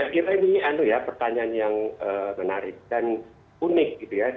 kita ini anu ya pertanyaan yang menarik dan unik